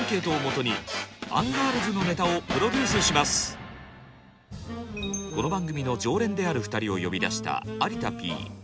続いてはこの番組の常連である２人を呼び出した有田Ｐ。